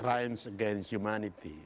mereka berpengaruh terhadap kemanusiaan